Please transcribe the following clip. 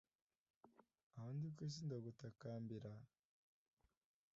aho ndi ku isi ndagutakambira,